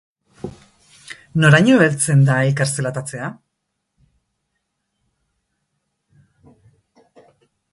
Noraino heltzen da elkar zelatatzea?